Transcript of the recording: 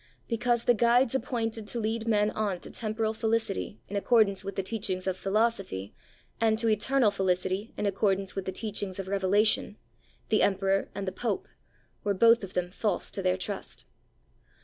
Because the guides appointed to lead men to temporal felicity in accordance with the teachings of Philosophy, and to eternal felicity in accordance with the teachings of Revelation the Emperor and the Pope were both of them false to their trust.'